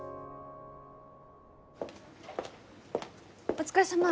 お疲れさま。